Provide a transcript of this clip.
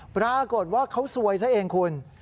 ปรากฏว่าเขาซวยซะเองคุณ